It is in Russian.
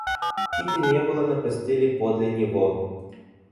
Кити не было на постели подле него.